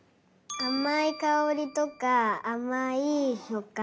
あまいかおりとかあまいしょっかん？